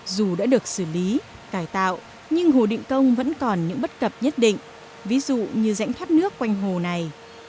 dù đã được xử lý cải tạo nhưng hồ định công vẫn còn những bất cập nhất định ví dụ như rãnh thoát nước quanh hồ này